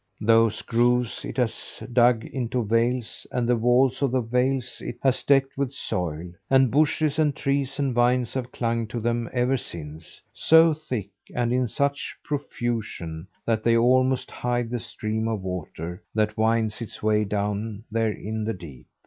Those grooves it has dug into vales, and the walls of the vales it has decked with soil; and bushes and trees and vines have clung to them ever since so thick, and in such profusion, that they almost hide the stream of water that winds its way down there in the deep.